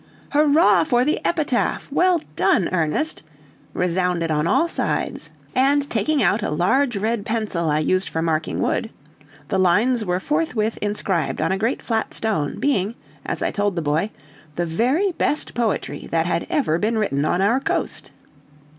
"Hurrah for the epitaph! Well done, Ernest!" resounded on all sides, and taking out a large red pencil I used for marking wood, the lines were forthwith inscribed on a great flat stone, being, as I told the boy, the very best poetry that had ever been written on our coast.